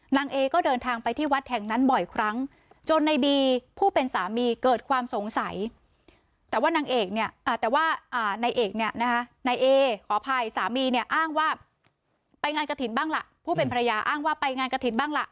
นางเอก็เดินทางไปที่วัดแห่งนั้นบ่อยครั้งจนในบีผู้เป็นสามีเกิดความสงสัยแต่ว่านางเอกเนี่ยแต่ว่าในเอกเนี่ยนะในเอขอภัยสามีเนี่ยอ้างว่าไปงานกระถิ่นบ้างล่ะ